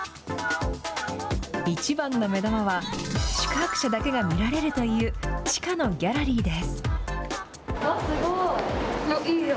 一番の目玉は、宿泊者だけが見られるという、地下のギャラリーです。